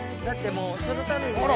だってもうそのために。